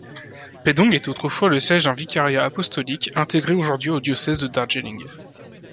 Pedong était autrefois le siège d'un vicariat apostolique, intégré aujourd'hui au diocèse de Darjeeling.